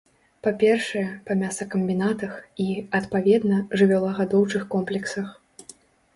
Па-першае, па мясакамбінатах і, адпаведна, жывёлагадоўчых комплексах.